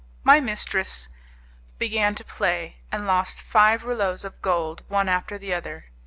My mistress began to play, and lost five rouleaux of gold one after the other.